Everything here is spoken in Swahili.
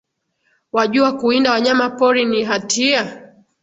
Wajua kuwinda wanyama pori ni hatia?